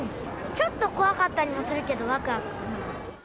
ちょっと怖かったりもするけど、わくわく！